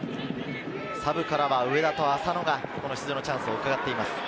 サブからは上田と浅野が出場のチャンスをうかがっています。